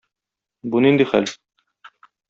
Бу нинди хәл?